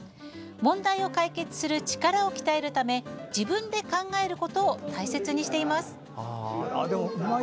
問題を解決する力を鍛えるため自分で考えることを大切にしています。